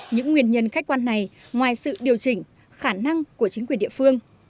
những nguyên nhân khách quan này ngoài sự điều chỉnh khả năng của chính quyền địa phương